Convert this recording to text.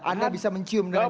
anda bisa mencium dengan